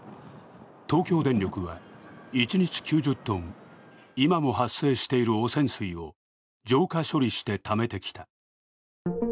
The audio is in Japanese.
東京電力は一日９０ｔ、今も発生している汚染水を浄化処理してためてきた。